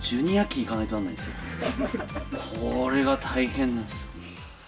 これが大変なんですよ。